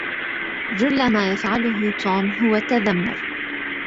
جلّ ما يفعله توم هو التذمر.